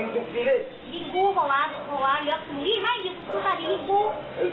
โถ่เอ้ย